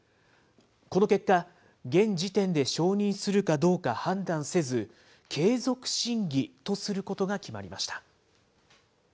この結果、現時点で承認するかどうか判断せず、継続審議とすることが決まりました。